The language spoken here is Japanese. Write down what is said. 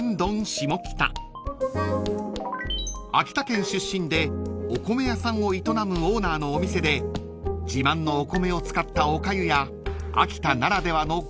［秋田県出身でお米屋さんを営むオーナーのお店で自慢のお米を使ったおかゆや秋田ならではのご当地グルメが味わえます］